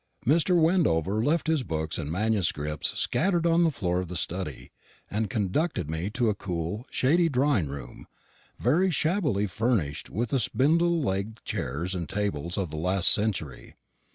Mr. Wendover left his books and manuscripts scattered on the floor of the study, and conducted me to a cool shady drawing room, very shabbily furnished with the spindle legged chairs and tables of the last century.